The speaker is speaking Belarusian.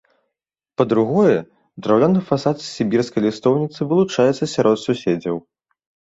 Па-другое, драўляны фасад з сібірскай лістоўніцы вылучаецца сярод суседзяў.